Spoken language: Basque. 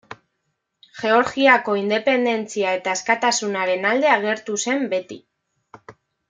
Georgiako independentzia eta askatasunaren alde agertu zen beti.